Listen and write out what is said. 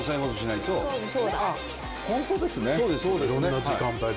いろんな時間帯で。